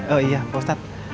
oh iya pak ustadz